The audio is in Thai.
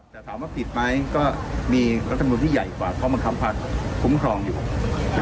แต่ถามว่าผิดไหมก็มีรัฐบินที่ใหญ่กว่าเพราะมันทำความคุ้มครองอยู่